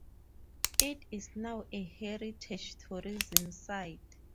It is now a heritage tourism site.